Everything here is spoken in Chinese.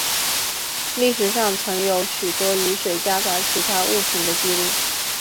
历史上曾有许多雨水夹杂其他物品的记录。